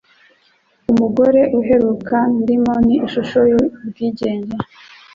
Umugore uheruka ndimo ni Ishusho y'Ubwigenge.